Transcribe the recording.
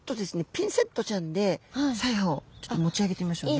ピンセットちゃんで鰓耙をちょっと持ち上げてみましょうね。